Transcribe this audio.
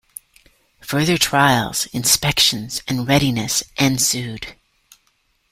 Further trials, inspections, and readiness ensued.